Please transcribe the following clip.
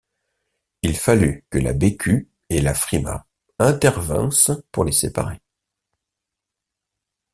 Il fallut que la Bécu et la Frimat intervinssent pour les séparer.